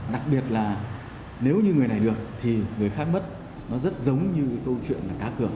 đặc biệt là nếu như người này được thì người khác mất nó rất giống như câu chuyện là cá cường